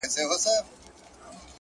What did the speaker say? دا به چيري خيرن سي;